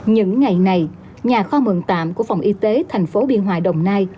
những ngày này nhà kho mượn tạm của phòng y tế thành phố biên hòa đồng nai